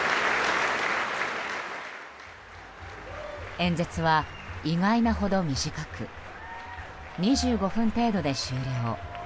演説は意外なほど短く２５分程度で終了。